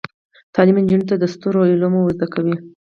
تعلیم نجونو ته د ستورو علم ور زده کوي.